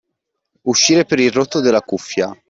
Uscire per il rotto della cuffia.